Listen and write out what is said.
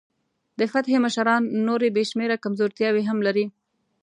د فتح مشران نورې بې شمېره کمزورتیاوې هم لري.